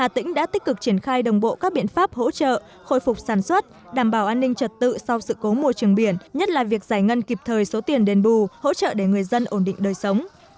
trong đó bao gồm các giải pháp khắc phục sự cố môi trường biển xử lý số hải sản tồn kho tình hình giải ngân số tiền đền bù hỗ trợ người dân bị ảnh hưởng sự cố môi trường biển